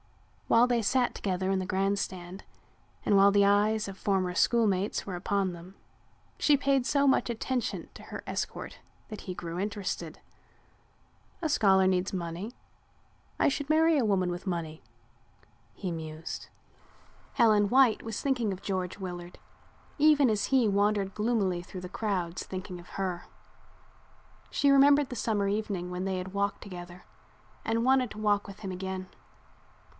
While they sat together in the grand stand and while the eyes of former schoolmates were upon them, she paid so much attention to her escort that he grew interested. "A scholar needs money. I should marry a woman with money," he mused. Helen White was thinking of George Willard even as he wandered gloomily through the crowds thinking of her. She remembered the summer evening when they had walked together and wanted to walk with him again.